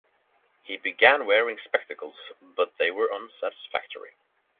He began wearing spectacles but they were unsatisfactory.